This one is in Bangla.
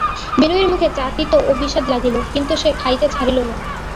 বিনয়ের মুখে চা তিতো ও বিস্বাদ লাগিল, কিন্তু সে খাইতে ছাড়িল না।